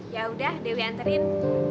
ya udah dewi anterin